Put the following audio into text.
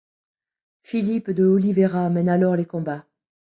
Phillipe de Oliveira mène alors les combats.